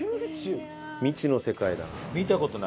未知の世界だな。